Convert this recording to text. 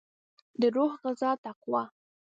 دروح غذا تقوا